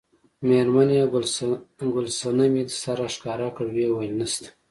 میرمن یې ګل صمنې سر راښکاره کړ وویل نشته.